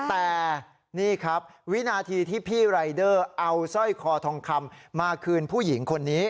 แต่นี่ครับวินาทีที่พี่รายเดอร์เอาสร้อยคอทองคำมาคืนผู้หญิงคนนี้